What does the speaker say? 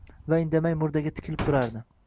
Va indamay murdaga tikilib turardi.